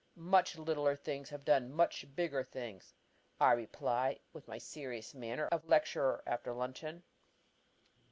"Much littler things have done much bigger things," I reply, with my serious manner of lecturer after luncheon.